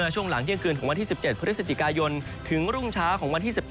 ช่วงหลังเที่ยงคืนของวันที่๑๗พฤศจิกายนถึงรุ่งเช้าของวันที่๑๘